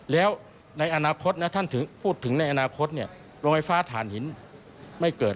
แล้วในอนาคตนะท่านพูดถึงในอนาคตเนี่ยโรงไฟฟ้าฐานหินไม่เกิด